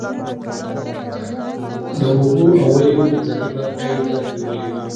د اوږو او ولیو منځنۍ برخه یې درد نیولې وه.